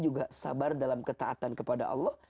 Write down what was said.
juga sabar dalam ketaatan kepada allah